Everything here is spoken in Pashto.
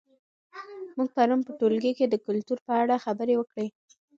موږ پرون په ټولګي کې د کلتور په اړه خبرې وکړې.